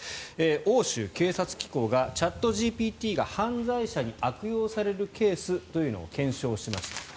欧州警察機構がチャットＧＰＴが犯罪者に悪用されるケースというのを検証しました。